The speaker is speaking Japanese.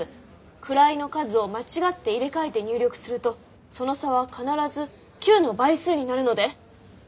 位の数を間違って入れ替えて入力するとその差は必ず９の倍数になるので。